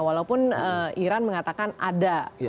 walaupun iran mengatakan ada